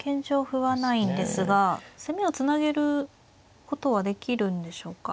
歩はないんですが攻めをつなげることはできるんでしょうか。